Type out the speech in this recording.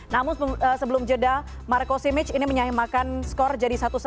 namun sebelum jeda marco simic ini menyahimakan skor jadi satu satu